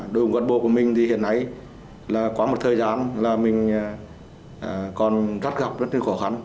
đội ngũ cán bộ của mình thì hiện nay là qua một thời gian là mình còn cắt gặp rất nhiều khó khăn